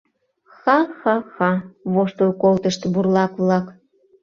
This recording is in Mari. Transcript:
— Ха-ха-ха, — воштыл колтышт бурлак-влак.